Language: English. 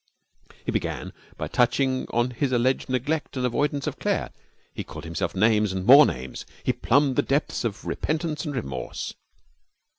He began by touching on his alleged neglect and avoidance of Claire. He called himself names and more names. He plumbed the depth of repentance and remorse.